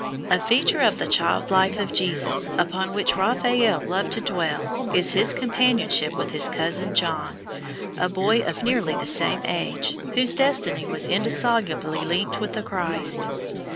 A feature of the child life of Jesus upon which Raphael loved to dwell is his companionship with his cousin John, a boy of nearly the same age, whose destiny was indissolubly linked with the Christ.